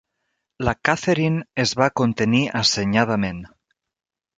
La Catherine es va contenir assenyadament.